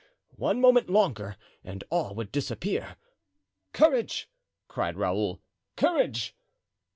One moment longer and all would disappear. "Courage!" cried Raoul, "courage!"